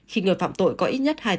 khi người phạm tội có ít nhất hai tiếng